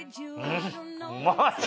うまい！